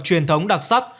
truyền thống đặc sắc